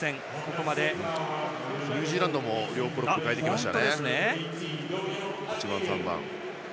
ニュージーランドも両プロップを代えてきましたね、１番３番。